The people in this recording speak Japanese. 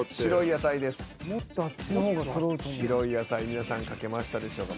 皆さん書けましたでしょうか？